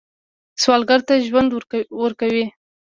سوالګر ته ژوند ورکوئ